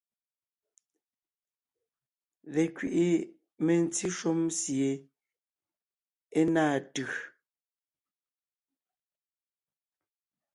Lekẅiʼi mentí shúm sie é náa tʉ̀.